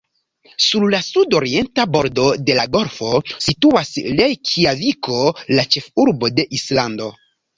Sur la sud-orienta bordo de la golfo situas Rejkjaviko, la ĉefurbo de Islando.